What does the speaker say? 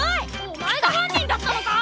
お前が犯人だったのか！